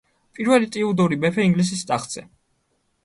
პირველი ტიუდორი მეფე ინგლისის ტახტზე.